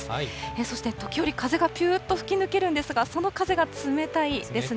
そして時折、風がぴゅーっと吹き抜けるんですが、その風が冷たいですね。